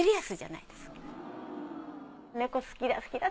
猫好きだ